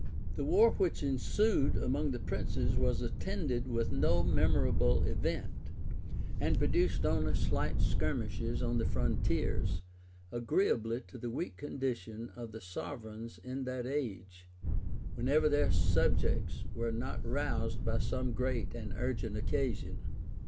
The war which ensued among those princes was attended with no memorable event, and produced only slight skirmishes on the frontiers, agreeably to the weak condition of the sovereigns in that age, whenever their subjects were not roused by some great and urgent occasion.